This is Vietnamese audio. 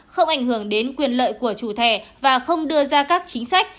không ảnh hưởng đến quyền lợi của chủ thẻ và không đưa ra các chính sách